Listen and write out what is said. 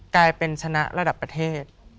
กลายเป็นชนะระดับประเทศ